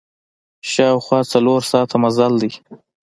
شاوخوا څلور ساعته مزل ده.